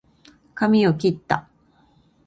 かみをきった